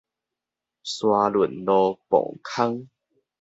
沙崙路磅空